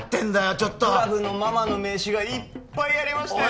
ちょっとクラブのママの名刺がいっぱいありましたよ